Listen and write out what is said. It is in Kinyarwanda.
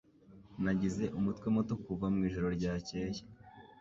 Nagize umutwe muto kuva mwijoro ryakeye.